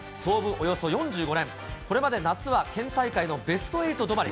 およそ４５年、これまで夏は県大会のベスト８止まり。